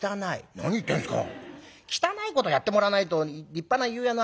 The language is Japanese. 「何言ってんですか」。